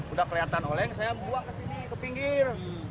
udah kelihatan oleng saya buang ke sini ke pinggir